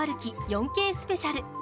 ４Ｋスペシャル。